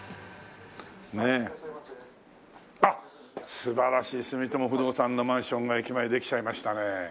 素晴らしい住友不動産のマンションが駅前にできちゃいましたね。